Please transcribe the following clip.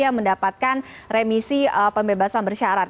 yang mendapatkan remisi pembebasan bersyarat